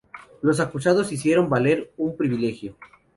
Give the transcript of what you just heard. Los acusados hicieron valer un privilegio.